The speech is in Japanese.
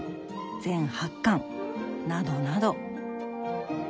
全８巻などなど。